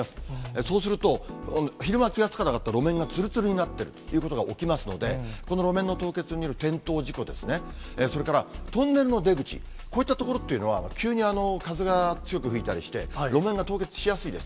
そうすると、昼間気が付かなかった路面がつるつるになってるということが起きますので、この路面の凍結による転倒事故ですね、それから、トンネルの出口、こういった所っていうのは、急に風が強く吹いたりして、路面が凍結しやすいです。